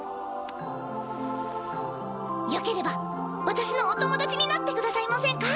よければ私のお友達になってくださいませんか？